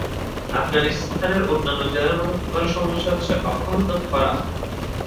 আফগানিস্তানের অন্যান্য জেলার মত প্রধান সমস্যা হচ্ছে অব্যাহত খরা।